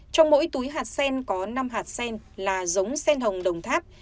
trong mỗi túi hạt sen có năm hạt sen là giống sen hồng đồng tháp